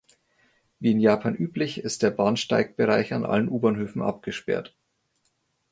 Wie in Japan üblich ist der Bahnsteigbereich an allen U-Bahnhöfen abgesperrt.